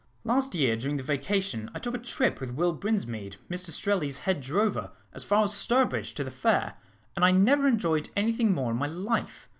Last year, during the vacation, I took a trip with Will Brinsmead, Mr Strelley's head drover, as far as Stourbridge, to the fair, and I never enjoyed any thing more in my life.